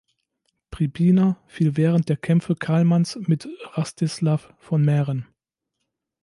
Pribina fiel während der Kämpfe Karlmanns mit Rastislav von Mähren.